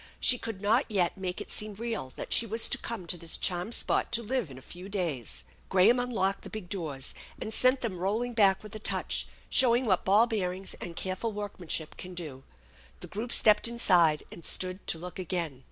She could not yet make it seem real that she was to come to this charmed spot to live in a few days. Graham unlocked the big doors, and sent them rolling back with a touch, showing what ball bearings and careful work manship can do. The group stepped inside, and stood to look again.